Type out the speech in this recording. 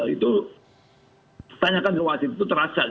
itu tanyakan ke wasit itu terasa